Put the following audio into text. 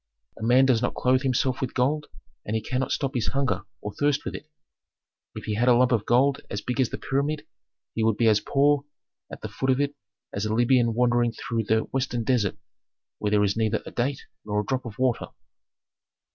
A man does not clothe himself with gold and he cannot stop his hunger or thirst with it. If he had a lump of gold as big as the pyramid, he would be as poor at the foot of it as a Libyan wandering through the western desert where there is neither a date nor a drop of water.